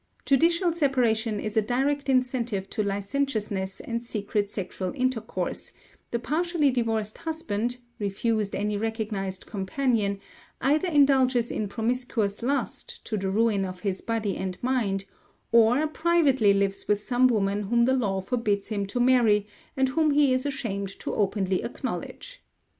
Judicial separation is a direct incentive to licentiousness and secret sexual intercourse; the partially divorced husband, refused any recognised companion, either indulges in promiscuous lust, to the ruin of his body and mind, or privately lives with some woman whom the law forbids him to marry and whom he is ashamed to openly acknowledge.